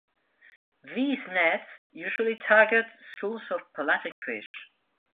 These nets usually target schools of pelagic fish.